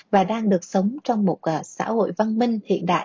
và đang được sống trong một xã hội văn minh hiện đại